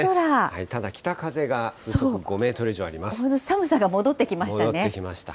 ただ、北風が５メートル以上寒さが戻ってきましたね。